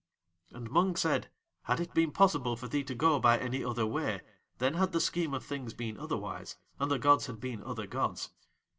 And Mung said: "Had it been possible for thee to go by any other way then had the Scheme of Things been otherwise and the gods had been other gods.